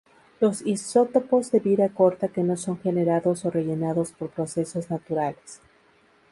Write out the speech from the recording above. Los isótopos de vida corta que no son generados o rellenados por procesos naturales.